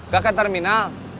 nggak ke terminal